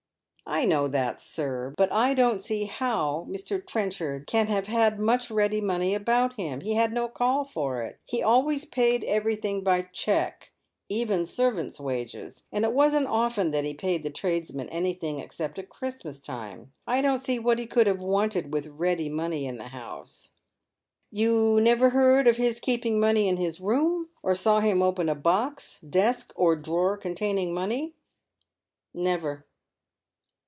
" I know that, sir. But I don't see how Mr. Trenchard can have had much ready money about him. He had no call for it. He always paid everything by cheque — even servants' wages. And it wasn't often that he paid the tradesmen anything except at Christmas time. I don't see what he couldhave wanted %vithready money in the house." " You never heard of his keeping money in his room, or saw him open a box, desk, or drawer containing money ?"" Never."